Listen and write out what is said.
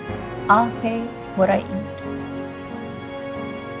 saya akan bayar apa yang diambil